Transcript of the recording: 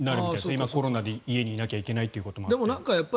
今、コロナで家にいなきゃいけないということもあって。